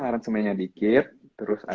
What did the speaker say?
aransemennya dikit terus